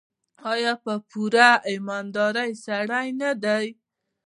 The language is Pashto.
آیا په پوره ایمانداري سره نه دی؟